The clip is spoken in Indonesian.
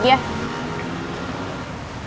gue pergi ya